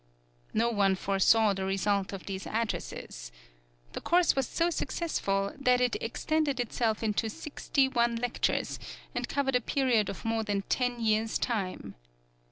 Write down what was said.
No one foresaw the result of these addresses. The course was so successful that it extended itself into sixty one lectures, and covered a period of more than ten years' time.